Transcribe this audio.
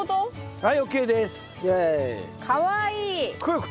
はい。